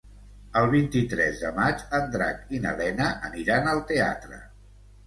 El vint-i-tres de maig en Drac i na Lena aniran al teatre.